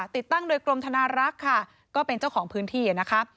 ติดตั้งโดยกรมธนารักษ์ค่ะก็เป็นเจ้าของพื้นที่นะคะ